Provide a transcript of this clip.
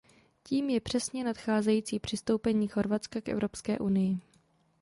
Tím je přesně nadcházející přistoupení Chorvatska k Evropské unii.